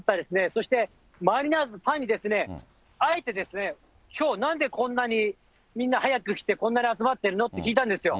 そして、マリナーズファンにですね、あえて、きょうこんなに、みんな早く来て、こんなに集まってるの？って聞いたんですよ。